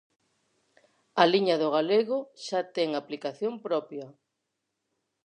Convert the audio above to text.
A Liña do galego xa ten aplicación propia.